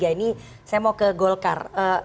ya ini saya mau ke golkar